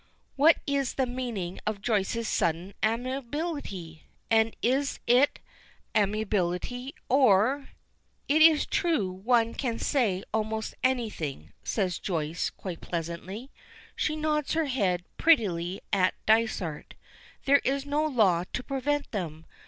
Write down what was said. What is the meaning of Joyce's sudden amiability and is it amiability, or "It is true one can say almost anything," says Joyce, quite pleasantly. She nods her head prettily at Dysart. "There is no law to prevent them.